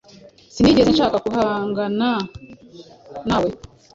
Sinigeze nshaka guhangana nawe.